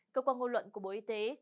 cơ quan ngôn luận của bộ y tế